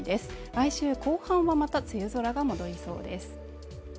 来週後半はまた梅雨空が戻りそうです。